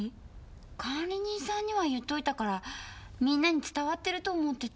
管理人さんには言っといたから皆に伝わってると思ってた。